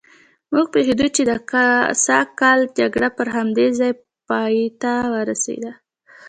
موږ پوهېدو چې د سږ کال جګړه پر همدې ځای پایته ورسېده.